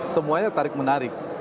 semuanya tarik menarik